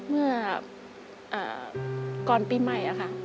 เมื่อก่อนปีใหม่ค่ะ